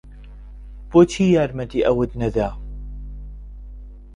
بۆچی یارمەتی ئەوت نەدا؟